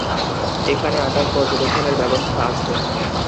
এখানে আকাশ পর্যবেক্ষণের ব্যবস্থা আছে।